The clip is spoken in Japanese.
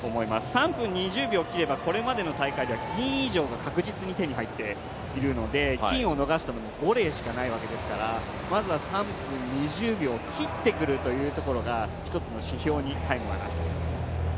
３分２０秒切れば、これまでの大会では銀以上が確実に手に入っているので金を逃したのは５例しかないですから、まずは３分２０秒を切ってくるところが一つの指標のタイムかなと思います。